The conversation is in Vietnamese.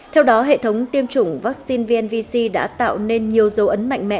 theo đó hệ thống tiêm chủng vắc xin vnvc đã tạo nên nhiều dấu ấn mạnh mẽ